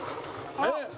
えっ？